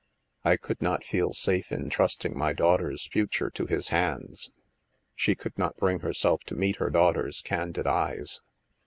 I could not feel safe in trusting my daughter's future to his hands." She could not bring herself to meet her daughter's candid eyes.